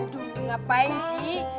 duh ngapain sih